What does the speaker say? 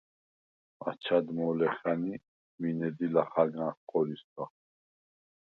აჩად მოლე ხა̈ნ ი მინე დი ლახაგანხ ყორისგა.